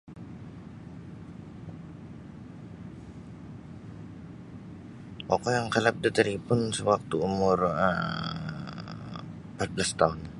Oku nakalap da talipun sewaktu umur um 14 tahun